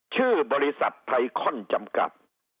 ชื่อบริษัทไทคอนจำกัด